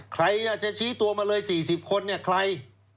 ใครจะชี้ตัวมาเลย๔๐คนเนี่ยใคร